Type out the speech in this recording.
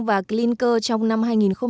và clanker trong năm hai nghìn một mươi sáu